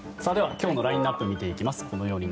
今日のラインアップを見ていきます。